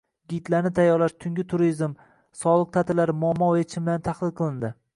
Gidlarni tayyorlash, tungi turizm, soliq ta’tillari muammo va yechimlari tahlil qilindi